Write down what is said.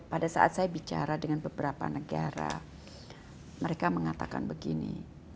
pada saat saya bicara dengan beberapa negara mereka mengatakan begini